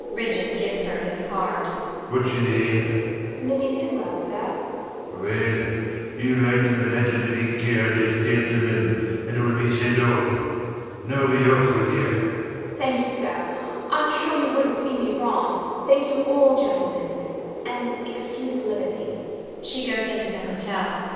[Ridgeon gives her his card]. Whats your name? THE MAID. Minnie Tinwell, sir. SIR PATRICK. Well, you write him a letter to care of this gentleman; and it will be sent on. Now be off with you. THE MAID. Thank you, sir. I'm sure you wouldnt see me wronged. Thank you all, gentlemen; and excuse the liberty.